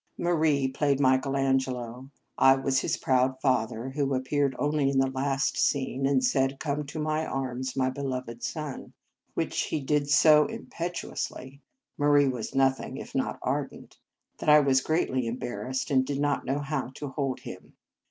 Marie played Michael Angelo. I was his proud father, who appeared only in the last scene, and said, " Come to my arms, my beloved son !" which he did so impetuously Marie was no thing if not ardent that I was greatly embarrassed, and did not know how to hold him.